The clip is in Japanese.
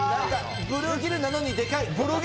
ブルーギルなのにでかい。